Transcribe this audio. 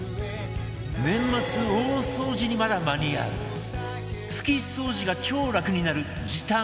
年末大掃除にまだ間に合う拭き掃除が超楽になる時短グッズ